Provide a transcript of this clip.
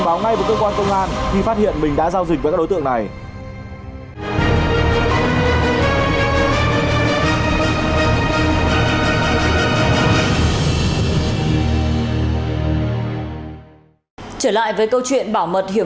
fanpage chính thức của ssi